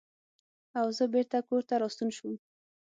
او زۀ بېرته کورته راستون شوم ـ